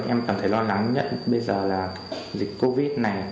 em cảm thấy lo lắng nhất bây giờ là dịch covid này